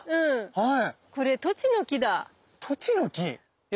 はい。